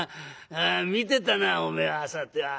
見てたなおめえはさては？